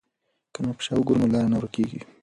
که نقشه وګورو نو لار نه ورکيږي.